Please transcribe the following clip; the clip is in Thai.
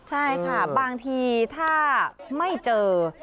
ใช่ค่ะบางทีถ้าไม่เจอ